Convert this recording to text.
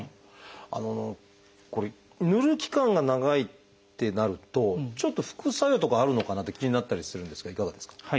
これぬる期間が長いってなるとちょっと副作用とかあるのかなって気になったりするんですがいかがですか？